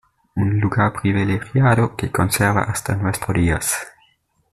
Un lugar privilegiado que conserva hasta nuestro días.